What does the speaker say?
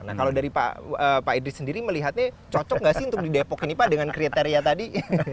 nah kalau dari pak idris sendiri melihatnya cocok nggak sih untuk di depok ini pak dengan kriteria tadi